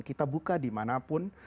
kita buka dimanapun